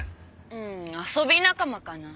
うん遊び仲間かな。